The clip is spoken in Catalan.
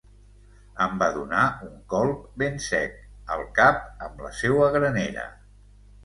Em va donar un colp ben sec al cap amb la seua granera.